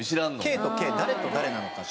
ＫとＫ誰と誰なのかって。